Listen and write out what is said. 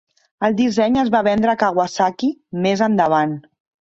El disseny es va vendre a Kawasaki més endavant.